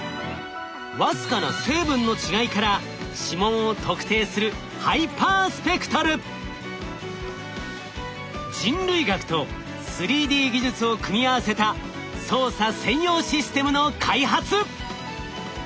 僅かな成分の違いから指紋を特定する人類学と３Ｄ技術を組み合わせた捜査専用システムの開発。